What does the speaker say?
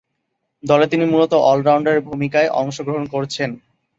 দলে তিনি মূলতঃ অল-রাউন্ডারের ভূমিকায় অংশগ্রহণ করছেন।